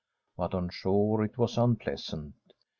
But on shore it was unpleasant.